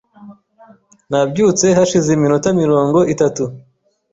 Nabyutse hashize iminota mirongo itatu .